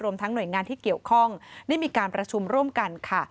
ทั้งหน่วยงานที่เกี่ยวข้องได้มีการประชุมร่วมกันค่ะ